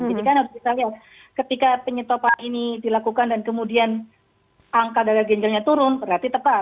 jadi kan harus kita lihat ketika penyetopan ini dilakukan dan kemudian angka daga ginjalnya turun berarti tepat